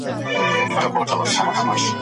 ایا بهرني سوداګر شین ممیز صادروي؟